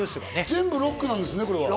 全部ロックなんですね。